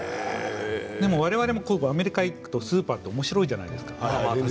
でも我々もアメリカに行くとスーパーっておもしろいじゃないですか。